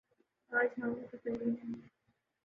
آج ہم طفیلی ہیں۔